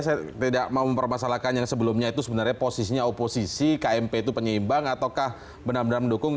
saya tidak mau mempermasalahkan yang sebelumnya itu sebenarnya posisinya oposisi kmp itu penyeimbang ataukah benar benar mendukung